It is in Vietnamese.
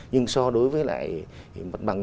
nhưng so với lại mặt bằng